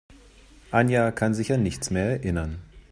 Anja kann sich an nichts mehr erinnern.